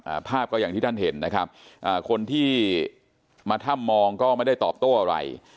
ภาพก็อย่างที่ท่านเห็นนะครับอ่าคนที่มาถ้ำมองก็ไม่ได้ตอบโต้อะไร